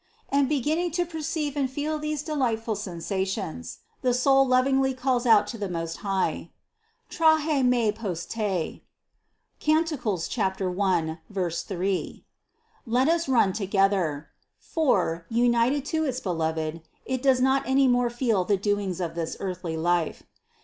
16. And beginning to perceive and feel these delight ful sensations, the soul lovingly calls out to the Most High: "Trahe me post Te" (Cant. 1, 3) let us run to gether; for, united to its Beloved, it does not any more feel the doings of this earthly life.